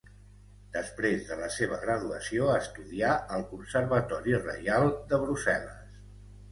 Després de la seva graduació estudià al Conservatori reial de Brussel·les.